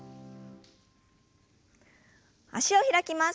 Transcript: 脚を開きます。